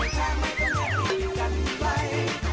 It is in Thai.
กอดกันไว้